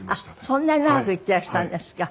そんなに長く行っていらしたんですか。